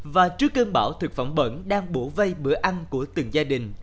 và trước cơn bão thực phẩm bẩn đang bổ vây bữa ăn của từng gia đình